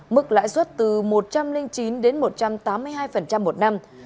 mức lãi suất từ một trăm linh chín đến một trăm tám mươi hai một năm